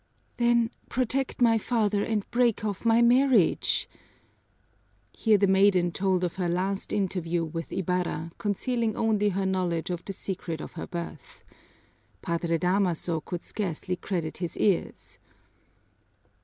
"Then, protect my father and break off my marriage!" Here the maiden told of her last interview with Ibarra, concealing only her knowledge of the secret of her birth. Padre Damaso could scarcely credit his ears.